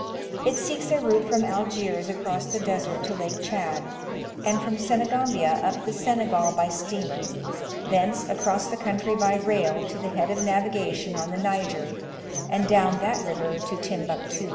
It seeks a route from Algiers across the desert to Lake Chad, and from Senegambia up the Senegal by steamer, thence across the country by rail to the head of navigation on the Niger, and down that river to Tim buctu.